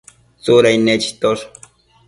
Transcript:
Tsudain nechitosh